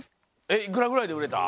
えっいくらぐらいでうれた？